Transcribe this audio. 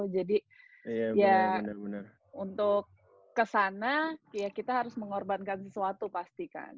jadi ya untuk kesana ya kita harus mengorbankan sesuatu pasti kan